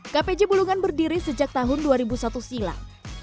kpj bulungan berdiri sejak tahun dua ribu satu silam